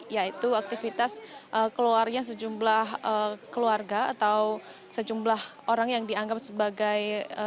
yaitu aktivitas keluarnya sejumlah keluarga atau sejumlah orang yang dianggap sebagai